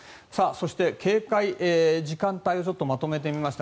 そして、警戒時間帯をまとめてみました。